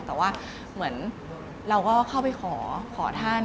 แต่ว่าเหมือนเราก็เข้าไปขอท่าน